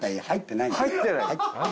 入ってない？